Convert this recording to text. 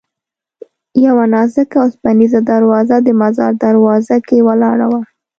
یوه نازکه اوسپنیزه دروازه د مزار دروازه کې ولاړه وه.